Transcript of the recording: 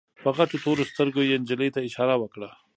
په غټو تورو سترګو يې نجلۍ ته اشاره وکړه.